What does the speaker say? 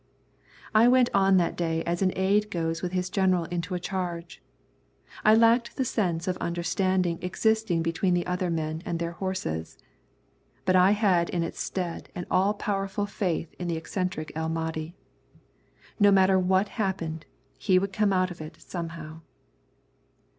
I went on that day as an aide goes with his general into a charge. I lacked the sense of understanding existing between the other men and their horses, but I had in its stead an all powerful faith in the eccentric El Mahdi. No matter what happened, he would come out of it somehow.